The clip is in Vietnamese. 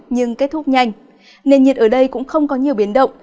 nhưng kết thúc nhanh nền nhiệt ở đây cũng không có nhiều biến động